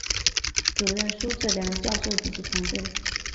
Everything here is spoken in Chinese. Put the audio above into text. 主任苏智良教授及其团队